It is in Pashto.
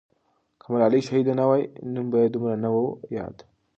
که ملالۍ شهیده نه وای، نوم به یې دومره نه وو یاد.